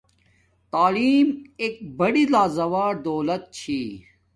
تعیلم ایک بڑی لازوال دولت چھی